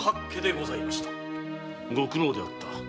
ご苦労であった。